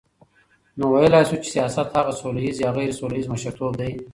نو ویلای سو چی سیاست هغه سوله ییز یا غیري سوله ییز مشرتوب دی،